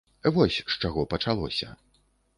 Вось з чаго пачалося.